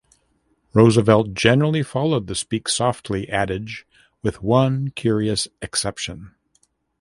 Roosevelt generally followed the speak softly adage with one curious exception.